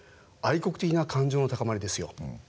愛国的な感情の高まりですよ。